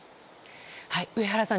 上原さん